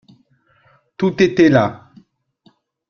Tout était là.